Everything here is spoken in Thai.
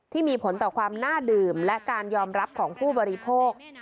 ที่มีผลต่อความน่าดื่มและการยอมรับของผู้บริโภค